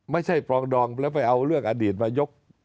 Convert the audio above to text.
ปรองดองแล้วไปเอาเรื่องอดีตนายก